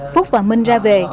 phúc và minh ra về